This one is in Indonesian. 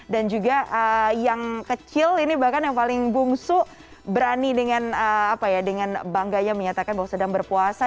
dan juga yang kecil ini bahkan yang paling bungsu berani dengan bangganya menyatakan bahwa sedang berpuasa